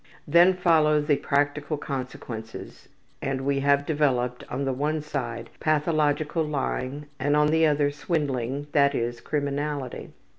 Then follow the practical consequences, and we have developed, on the one side, pathological lying, and, on the other, swindling, i.e., criminality.